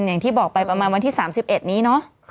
อย่างที่บอกไปประมาณวันที่๓๑นี้เนาะ